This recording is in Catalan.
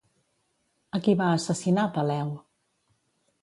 A qui va assassinar, Peleu?